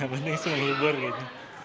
yang penting itu menghibur gitu